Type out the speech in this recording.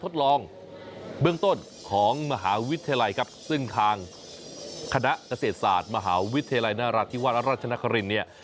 ซึ่งทางคณะเกษตรศาสตร์มหาวิทยาลัยนราธิวรรณรัชนครินต์